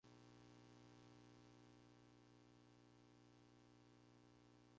Es la primera compañía del mercado alemán.